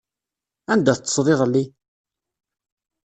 Anda teṭṭseḍ iḍelli?